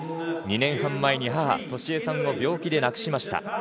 ２年半前に母・俊恵さんを病気で亡くしました。